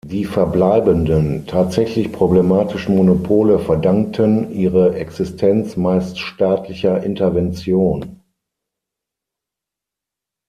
Die verbleibenden, tatsächlich problematischen Monopole verdankten ihre Existenz meist staatlicher Intervention.